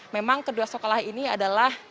memang kedua sekolah ini adalah